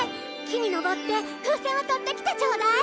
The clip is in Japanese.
木に登って風船をとってきてちょうだい！